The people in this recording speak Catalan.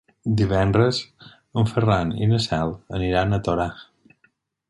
Divendres en Ferran i na Cel aniran a Torà.